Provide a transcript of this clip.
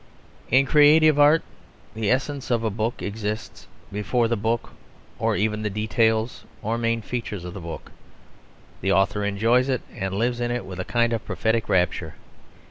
In creative art the essence of a book exists before the book or before even the details or main features of the book; the author enjoys it and lives in it with a kind of prophetic rapture.